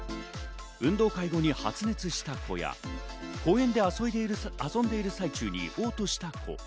運動会後に発熱した子や、公園で遊んでいる最中に嘔吐した子。